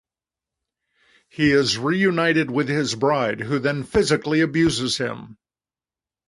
He is reunited with his bride who then physically abuses him.